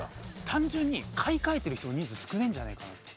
単純に買い替えてる人の人数少ねえんじゃねえかなって。